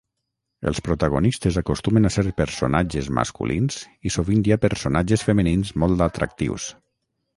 Els protagonistes acostumen a ser personatges masculins i sovint hi ha personatges femenins molt atractius.